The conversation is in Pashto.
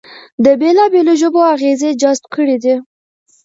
د بېلابېلو ژبو اغېزې جذب کړې دي